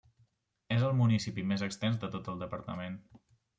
És el municipi més extens de tot el departament.